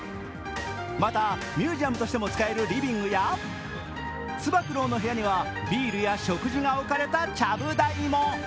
また、ミュージアムとしても使えるリビングやつば九郎の部屋にはビールや食事が置かれたちゃぶ台も。